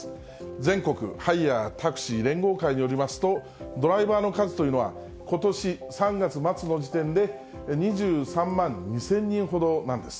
全国ハイヤー・タクシー連合会によりますと、ドライバーの数というのは、ことし３月末の時点で２３万２０００人ほどなんです。